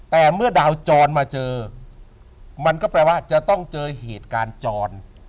แต่เมื่อดาวจรมาเจอมันก็แปลว่าจะต้องเจอเหตุการณ์จร